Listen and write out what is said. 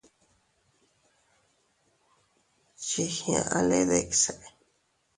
Chigkiaʼale dikse.